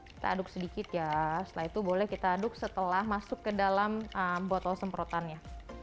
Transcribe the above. kita aduk sedikit ya setelah itu boleh kita aduk setelah masuk ke dalam botol semprotannya